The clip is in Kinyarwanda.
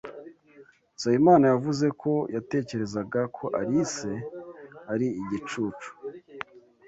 Nsabimana yavuze ko yatekerezaga ko Alice ari igicucu.